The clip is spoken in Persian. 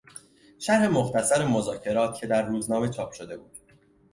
شرح مختصر مذاکرات که در روزنامه چاپ شده بود